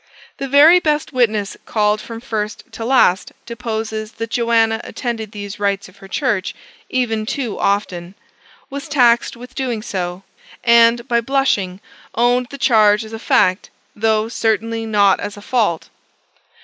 The very best witness called from first to last deposes that Joanna attended these rites of her Church even too often; was taxed with doing so; and, by blushing, owned the charge as a fact, though certainly not as a fault.